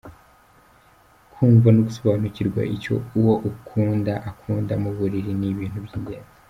Kumva no gusobanukirwa icyo uwo ukunda akunda mu buriri ni ibintu by’ingenzi.